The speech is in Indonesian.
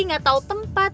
gak tau tempat